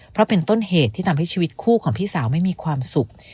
เพราะเป็นต้นเหตุที่ทำให้ชีวิตคู่ของพี่สาวไม่มีความสุข